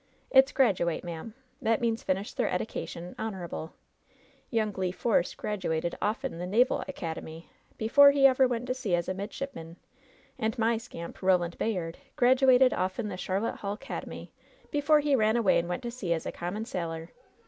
"It's graduate, ma'am. That means finish their edi cation, honorable. Yoimg Le Force graduated offen the Naval 'Cademy before he ever went to sea as a mid shipman, and my scamp, Roland Bayard, graduated offen the Charlotte Hall 'Cademy before he ran away and went to sea as a common sailor.